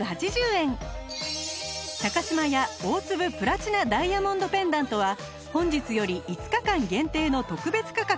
島屋大粒プラチナダイヤモンドペンダントは本日より５日間限定の特別価格